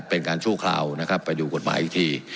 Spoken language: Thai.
เป็นการชั่วคราวนะครับไปดูกฎหมายอีกที